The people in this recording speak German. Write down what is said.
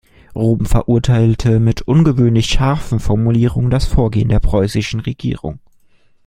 Rom verurteilte mit ungewöhnlich scharfen Formulierungen das Vorgehen der preußischen Regierung.